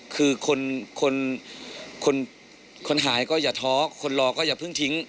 คือคนหายก็อย่าท้อคนรอก็อย่าเพิ่งทิ้ง